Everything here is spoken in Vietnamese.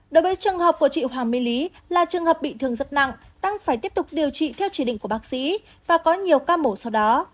đối với trường hợp của chị hoàng mê lý là trường hợp bị thương rất nặng tăng phải tiếp tục điều trị theo chỉ định của bác sĩ và có nhiều ca mổ sau đó